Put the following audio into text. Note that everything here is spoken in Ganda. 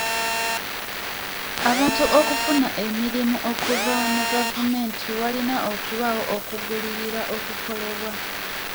Abantu okufuna emirimu okuva mu gavumenti walina okubaawo okugulirira okukolebwa.